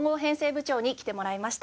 部長に来てもらいました。